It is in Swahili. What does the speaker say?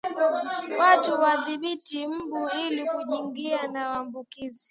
Watu wadhibiti mbu ili kujikinga na maambukizi